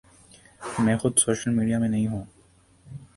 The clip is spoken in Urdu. میں خود سوشل میڈیا میں نہیں ہوں۔